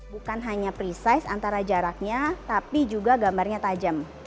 bukan hanya precise antara jaraknya tapi juga gambarnya tajam